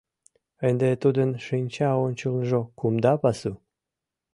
Ынде тудын шинча ончылныжо кумда пасу.